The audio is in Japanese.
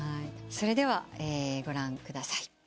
それではご覧ください。